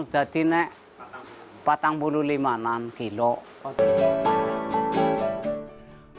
jadi ini empat ratus lima puluh enam kg